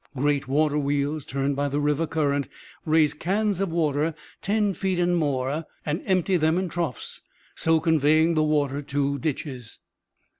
Great water wheels, turned by the river current, raise cans of water ten feet and more and empty them in troughs, so conveying the water to ditches.